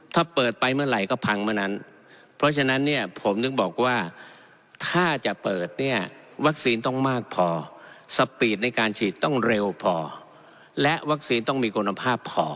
ถ้าเปิดไปเมื่อไหร่ก็พังเมื่อนั้นเพราะฉะนั้นเนี่ยผมถึงบอกว่าถ้าจะเปิดเนี่ยวัคซีนต้องมากพอสปีดในการฉีดต้องเร็วพอและวัคซีนต้องมีคุณภาพพอ